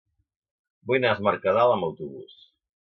Vull anar a Es Mercadal amb autobús.